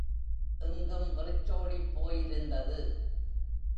எங்கும் வெறிச்சோடிப் போயிருந்தது.